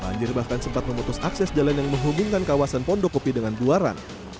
banjir bahkan sempat memutus akses jalan yang menghubungkan kawasan pondokopi dengan buaran